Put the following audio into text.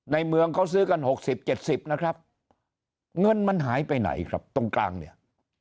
เมืองเขาซื้อกัน๖๐๗๐นะครับเงินมันหายไปไหนครับตรงกลางเนี่ย